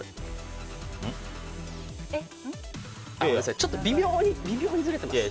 ちょっと微妙にずれてますね。